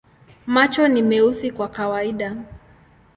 Macho ni meusi kwa kawaida.